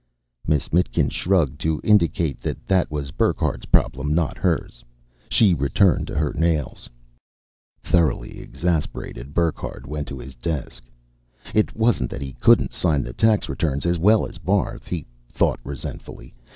Miss Mitkin shrugged to indicate that that was Burckhardt's problem, not hers. She returned to her nails. Thoroughly exasperated, Burckhardt went to his desk. It wasn't that he couldn't sign the tax returns as well as Barth, he thought resentfully.